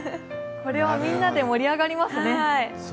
これはみんなで盛り上がりますね。